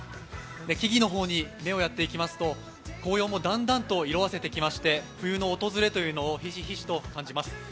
木々の方に目をやっていきますと、紅葉もだんだんと色あせてきまして、冬の訪れをひしひしと感じます。